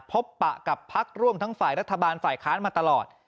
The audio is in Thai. ปะกับพักร่วมทั้งฝ่ายรัฐบาลฝ่ายค้านมาตลอด